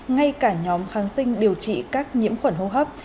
ngay cả nhóm kháng sinh điều trị các nhiễm khuẩn hô hấp